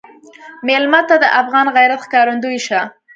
مېلمه ته د افغان غیرت ښکارندوی شه.